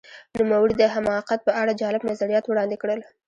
نوموړي د حماقت په اړه جالب نظریات وړاندې کړل.